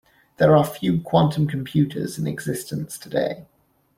There are few Quantum computers in existence today.